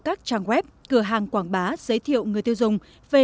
các trang web cửa hàng quảng bá giới thiệu người tiêu dùng